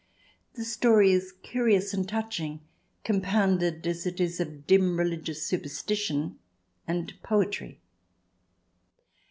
The story is curious and touching, compounded as it is of dim religious superstition and poetry.